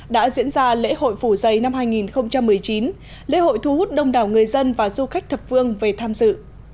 đã diễn ra lễ hội phủ giày năm hai nghìn một mươi chín lễ hội thu hút đông đảo người dân và du khách thập phương về tham dự